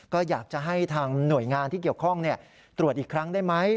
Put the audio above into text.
ก็อยากจะให้ทางหน่วยงานที่เกี่ยวข้องตรวจอีกครั้งได้ไหม